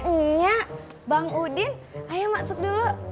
eh nyak bang udin ayo masuk dulu